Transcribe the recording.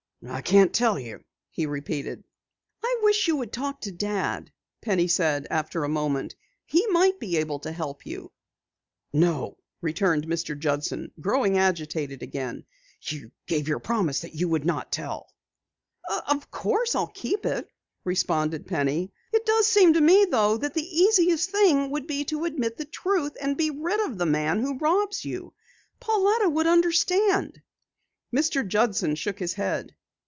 "I can't tell you," he repeated. "I wish you would talk to Dad," Penny said after a moment. "He might be able to help you." "No," returned Mr. Judson, growing agitated again, "you gave your promise that you would not tell." "Of course, I'll keep it," responded Penny. "It does seem to me, though, that the easiest thing would be to admit the truth and be rid of the man who robs you. Pauletta would understand." Mr. Judson shook his head.